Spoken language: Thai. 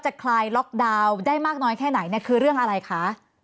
คลายล็อกดาวน์ได้มากน้อยแค่ไหนเนี่ยคือเรื่องอะไรคะ